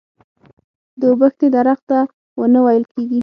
د اوبښتې درخته ونه ويل کيږي.